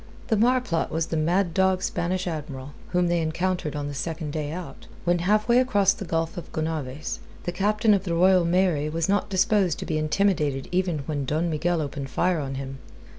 The marplot was the mad dog Spanish Admiral, whom they encountered on the second day out, when halfway across the Gulf of Gonaves. The Captain of the Royal Mary was not disposed to be intimidated even when Don Miguel opened fire on him.